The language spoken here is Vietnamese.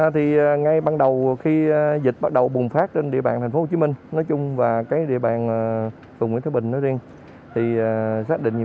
từ khi dịch bùng phát trên địa bàn ủy ban nhân dân phường nguyễn thái bình